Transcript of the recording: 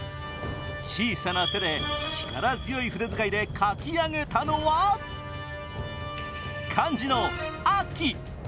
小さな手で力強い筆遣いで書き上げたのは漢字の「秋」。